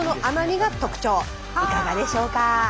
いかがでしょうか？